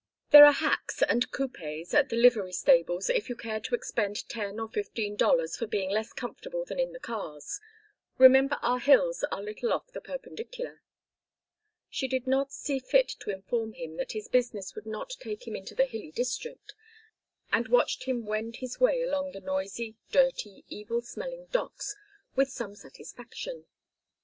"There are hacks and coupés at the livery stables, if you care to expend ten or fifteen dollars for being less comfortable than in the cars. Remember our hills are little off the perpendicular." She did not see fit to inform him that his business would not take him into the hilly district, and watched him wend his way along the noisy, dirty, evil smelling docks with some satisfaction.